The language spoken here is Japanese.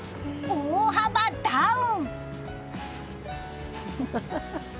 大幅ダウン。